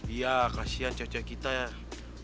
iya kasihan cewek cewek kita ya